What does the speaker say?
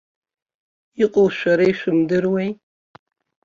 Иҟоу шәара ишәымдыруеи?!